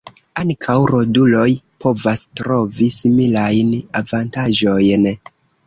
Ankaŭ roduloj povas trovi similajn avantaĝojn.